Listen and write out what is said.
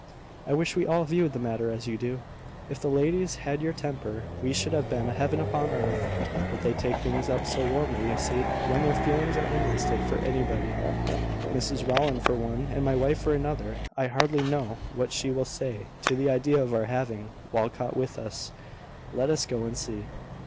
"I wish we all viewed the matter as you do. If the ladies had your temper, we should have a heaven upon earth. But they take things up so warmly, you see, when their feelings are interested for anybody; Mrs Rowland for one, and my wife for another. I hardly know what she will say to the idea of our having Walcot with us. Let us go and see."